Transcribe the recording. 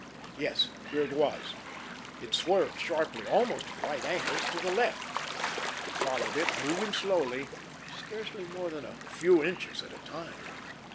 Yes, here it was! It swerved sharply, almost at right angles, to the left. He followed it, moving slowly, scarcely more than a few inches at a time.